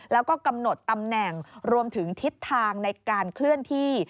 แล้วก็กำหนดตำแหน่งรวมถึงทิศทางในการเคลื่อนที่